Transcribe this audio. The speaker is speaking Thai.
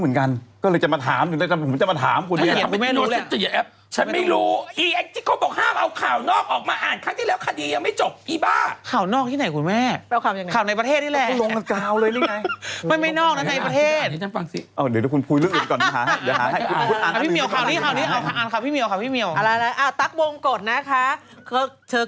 งานนี้เรียกว่าเพื่อนแล้วก็แฟนคลับเนี่ย